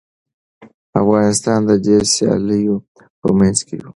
افغانستان د دې سیالیو په منځ کي و.